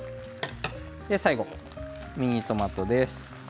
で、最後ミニトマトです。